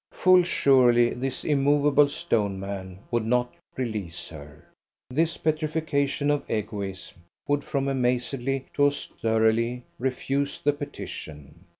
Full surely this immovable stone man would not release her. This petrifaction of egoism would from amazedly to austerely refuse the petition.